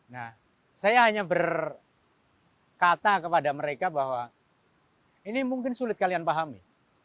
nah saya hanya berkata kepada mereka bahwa ini mungkin sulit kalian pahami